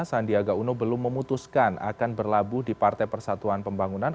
sandiaga uno belum memutuskan akan berlabuh di partai persatuan pembangunan